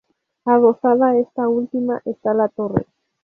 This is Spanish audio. Adosada a esta última está la torre.